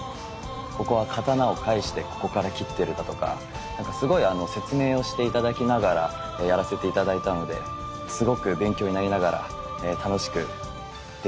ここは刀を返してここから斬ってるだとかすごい説明をして頂きながらやらせて頂いたのですごく勉強になりながら楽しくできました。